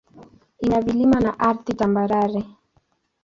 Ina vilima na ardhi tambarare.